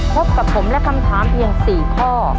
พบกับผมและคำถามเพียง๔ข้อ